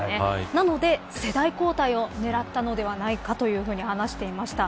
なので、世代交代を狙ったのではないかと話していました。